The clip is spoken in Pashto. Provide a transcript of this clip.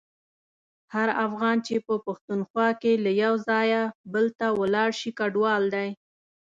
هر افغان چي په پښتونخوا کي له یو ځایه بل ته ولاړشي کډوال دی.